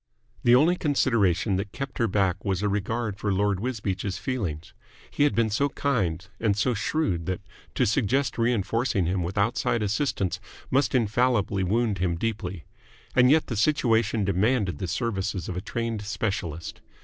The only consideration that kept her back was a regard for Lord Wisbeach's feelings. He had been so kind and so shrewd that to suggest reinforcing him with outside assistance must infallibly wound him deeply. And yet the situation demanded the services of a trained specialist.